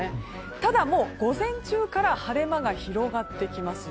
ただ、午前中から晴れ間が広がってきます。